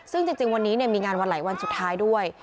ซึ่งจริงวันนี้มีงานวันไหลวันสุดท้ายด้วย